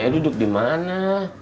saya duduk dimana